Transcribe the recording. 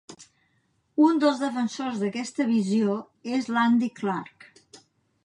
Un dels defensors d'aquesta visió és l'Andy Clark.